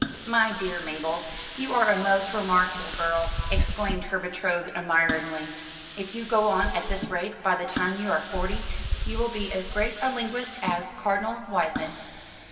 "My dear Mabel, you are a most remarkable girl," exclaimed her betrothed admiringly. "If you go on at this rate, by the time you are forty you will be as great a linguist as Cardinal Wiseman."